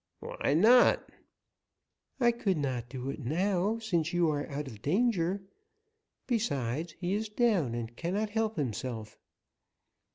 "Why not?" "I could not do it now, since you are out of danger; besides, he is down and cannot help himself."